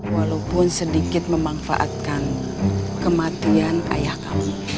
walaupun sedikit memanfaatkan kematian ayah kami